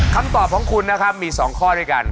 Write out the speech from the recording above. คำตอบของคุณนะครับมี๒ข้อด้วยกัน